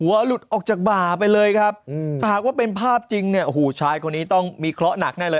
หลุดออกจากบ่าไปเลยครับหากว่าเป็นภาพจริงเนี่ยโอ้โหชายคนนี้ต้องมีเคราะหนักแน่เลย